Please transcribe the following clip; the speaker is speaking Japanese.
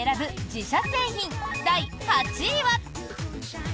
自社製品第８位は。